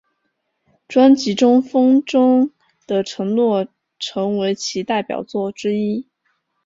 专辑中风中的承诺成为其代表作之一。